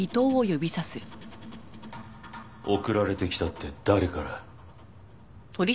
送られてきたって誰から？